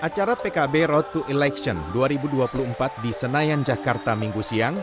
acara pkb road to election dua ribu dua puluh empat di senayan jakarta minggu siang